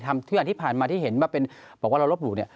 ทำทุกอย่างที่ผ่านมาที่เห็นว่าเป็นบอกว่าเรารบหรู